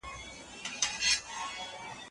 زمرد سور رنګ نه لري.